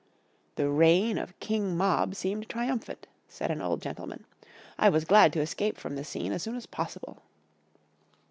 "The reign of King Mob seemed triumphant," said an old gentleman; "I was glad to escape from the scene as soon as possible."